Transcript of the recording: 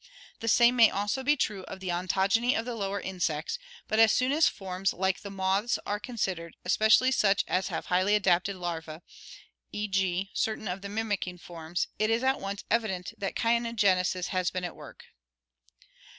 The same may be also true of the ontogeny of the lower insects, but as soon as forms like the moths are considered, especially such as have highly adapted larvae, e. g., certain of the mimicking forms, it is at once evident that caenogenesis has been at work.